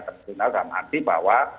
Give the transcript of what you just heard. terutama sama hati bahwa